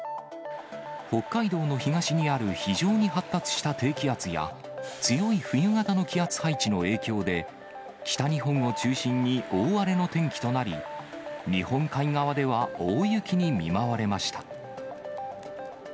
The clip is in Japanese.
北海道の東にある非常に発達した低気圧や、強い冬型の気圧配置の影響で、北日本を中心に大荒れの天気となり、日本海側では大雪に見舞われました。